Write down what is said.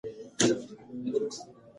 په دښته کې یوازې د باد او شګو غږ اورېدل کېږي.